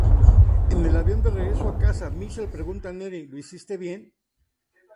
En el avión de regreso a casa Michael pregunta a Neri, "¿lo hiciste bien?